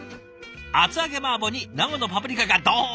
厚揚げマーボーに生のパプリカがドーン。